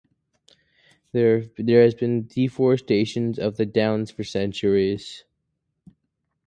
There has been deforestation of the Downs for centuries.